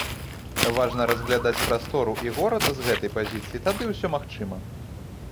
Важна разглядаць прастору і горад з гэтай пазіцыі, тады ўсё магчыма.